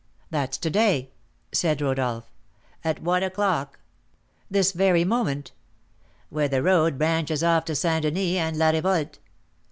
"That's to day!" said Rodolph. "At one o'clock." "This very moment!" "Where the road branches off to St. Denis and La Revolte."